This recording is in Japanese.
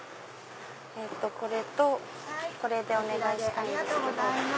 これとこれでお願いします。